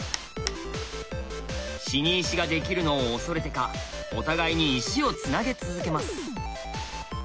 死に石ができるのを恐れてかお互いに石をつなげ続けます。